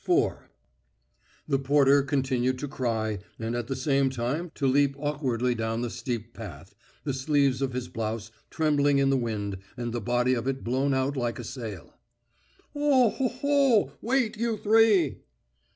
IV The porter continued to cry, and at the same time to leap awkwardly down the steep path, the sleeves of his blouse trembling in the wind and the body of it blown out like a sail. "O ho ho! Wait, you three!"